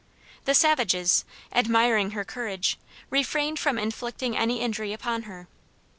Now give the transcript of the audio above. The savages, admiring her courage, refrained from inflicting any injury upon her.